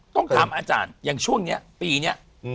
ต้องถามอาจารย์อย่างช่วงนี้ปีนี้